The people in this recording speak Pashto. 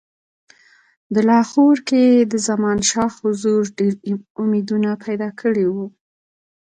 د لاهور کې د زمانشاه حضور ډېر امیدونه پیدا کړي وه.